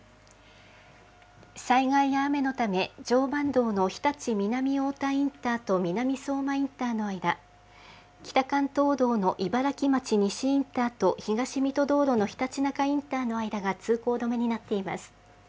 災害や雨のため、常磐道の日立南太田インターと南相馬インターの間、北関東道の茨城町西インターと東水戸道路のひたちなかインターの間が通行止めになっています。